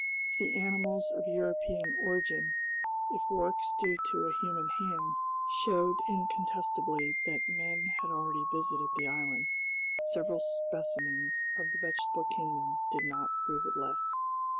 If the animals of European origin, if works due to a human hand, showed incontestably that men had already visited the island, several specimens of the vegetable kingdom did not prove it less.